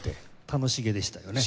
楽しげでしたよね。